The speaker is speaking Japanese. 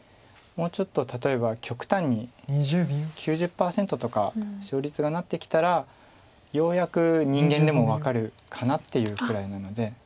もうちょっと例えば極端に９０％とか勝率がなってきたらようやく人間でも分かるかなっていうくらいなので。